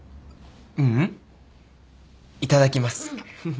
ううんいただきます。